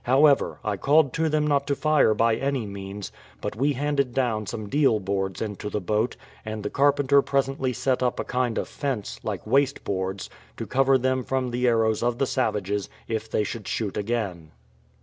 However, I called to them not to fire by any means; but we handed down some deal boards into the boat, and the carpenter presently set up a kind of fence, like waste boards, to cover them from the arrows of the savages, if they should shoot again.